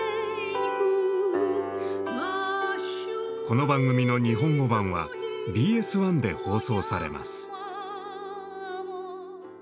この番組の日本語版はＢＳ１で放送されます。